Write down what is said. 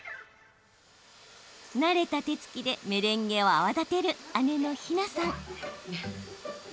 慣れた手つきでメレンゲを泡立てる、姉の緋奈さん。